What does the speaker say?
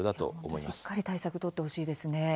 しっかり対策取ってほしいですね。